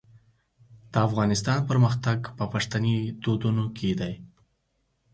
د افغانستان پرمختګ په پښتني دودونو کې دی.